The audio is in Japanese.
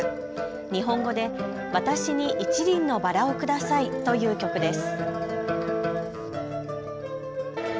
日本語で私に一輪のバラをくださいという曲です。